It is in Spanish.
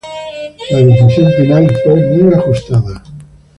La decisión final fue muy ajustada.